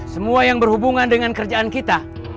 semua yang berhubungan dengan kerjaan kita